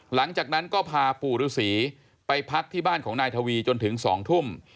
หลังจากนั้นก็พาปู่ฤษีไปพักที่บ้านของนายทวีจนถึง๒ทุ่ม